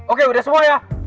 oke udah semua ya